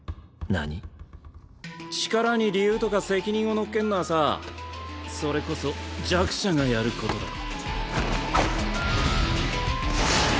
呪術に理由とか責任を乗っけんのはさそれこそ弱者がやることだろ。